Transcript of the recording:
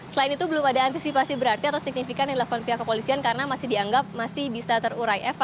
selain itu belum ada antisipasi berarti atau signifikan yang dilakukan pihak kepolisian karena masih dianggap masih bisa terurai